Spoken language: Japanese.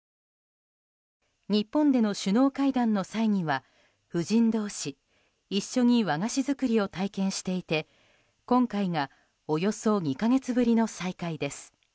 日本での首脳会談の際には夫人同士、一緒に和菓子作りを体験していて今回がおよそ２か月ぶりの再会です。